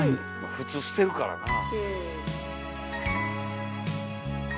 普通捨てるからなあ。